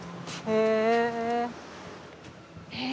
へえ！